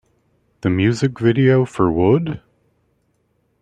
The music video for Would?